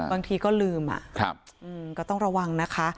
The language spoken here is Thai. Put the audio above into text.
บางทีก็ลืมก็ต้องระวังนะคะ